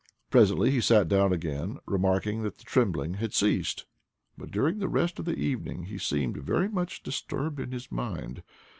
Presently he sat down again, remarking that the trembling had ceased; but during the rest of the evening he seemed very much disturbed in his mind.